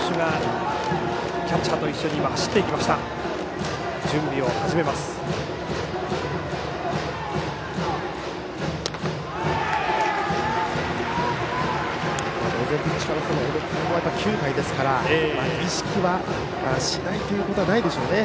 当然、９回ですから意識はしないということはないでしょうね。